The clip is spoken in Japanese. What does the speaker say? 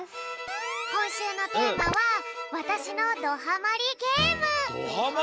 こんしゅうのテーマはどハマりゲーム！？